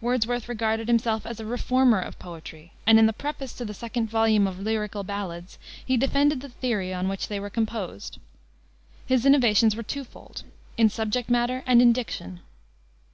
Wordsworth regarded himself as a reformer of poetry; and in the preface to the second volume of Lyrical Ballads, he defended the theory on which they were composed. His innovations were twofold, in subject matter, and in diction.